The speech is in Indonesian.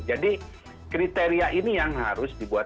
jadi kriteria ini yang harus dibuat